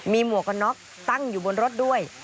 มีหมวกกันน็อกตั้งอยู่บนรถด้วย